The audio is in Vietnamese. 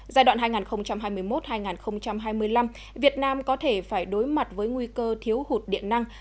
giai đoạn hai nghìn hai mươi một hai nghìn hai mươi năm việt nam có thể phải đối mặt với nguy cơ thiếu hụt điện năng